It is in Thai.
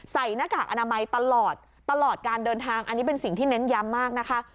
หน้ากากอนามัยตลอดตลอดการเดินทางอันนี้เป็นสิ่งที่เน้นย้ำมากนะคะ